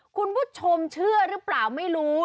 คุณผู้ชมเชื่อหรือเปล่าไม่รู้